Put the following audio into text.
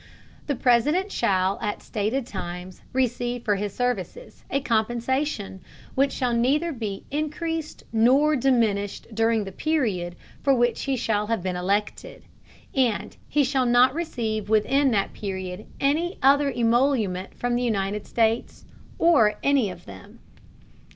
The President shall, at stated Times, receive for his Services, a Compensation, which shall neither be encreased nor diminished during the Period for which he shall have been elected, and he shall not receive within that Period any other Emolument from the United States, or any of them.